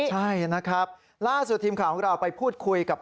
ใช่นะครับล่าสุดทีมข่าวของเราไปพูดคุยกับ